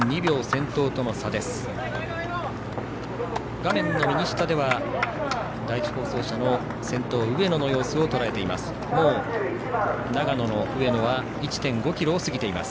画面右下では第１放送車の先頭、上野の様子をとらえています。